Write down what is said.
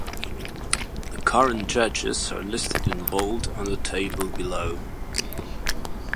The current judges are listed in bold on the table below.